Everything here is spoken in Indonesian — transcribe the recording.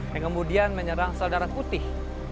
yang kemudian menyerang sel darah putih